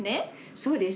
そうです。